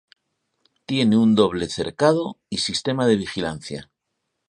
Tiene un doble cercado y sistema de vigilancia.